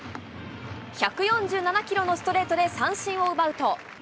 １４７キロのストレートで三振を奪うと。